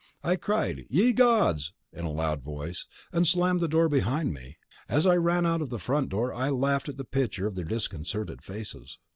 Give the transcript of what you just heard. I cried "Ye Gods!" in a loud voice, and slammed the door behind me. As I ran out of the front door I laughed at the picture of their disconcerted faces.